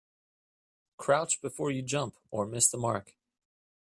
Crouch before you jump or miss the mark.